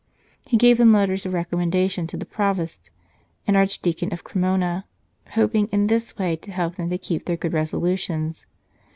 He gave them letters of recommendation to the Provost and Archdeacon of Cremona, hoping in this way to help them to keep their good resolu tions.